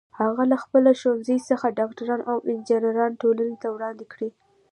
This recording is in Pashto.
هغه له خپل ښوونځي څخه ډاکټران او انجینران ټولنې ته وړاندې کړي